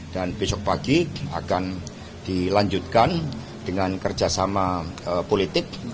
dan besok pagi akan dilanjutkan dengan kerjasama politik